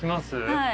はい。